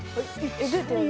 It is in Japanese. えっどうやってやるの？